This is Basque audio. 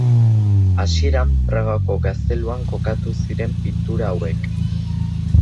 Hasieran, Pragako gazteluan kokatu ziren pintura hauek.